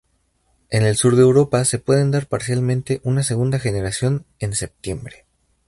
En el sur de Europa se puede dar parcialmente una segunda generación en septiembre.